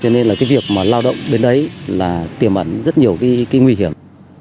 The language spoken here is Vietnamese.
cho nên là cái việc mà lao động bên đấy là tiềm ẩn rất nhiều cái nguy hiểm